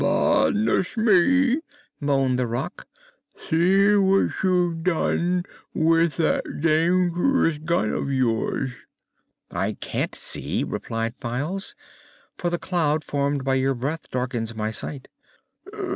"Badness me!" moaned the Rak. "See what you've done with that dangerous gun of yours!" "I can't see," replied Files, "for the cloud formed by your breath darkens my sight!"